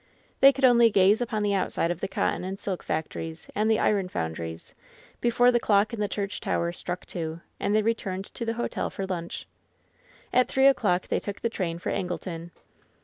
They could only gaze upon the outside of the cotton and silk factories and the iron foundries before the clock in the church tower struck two, and they returned to the hotel for lunch. ' At three o'clock they took the train for Angleton.